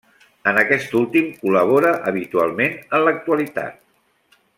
En aquest últim col·labora habitualment en l'actualitat.